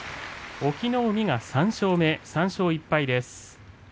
隠岐の海が３勝目、３勝１敗です。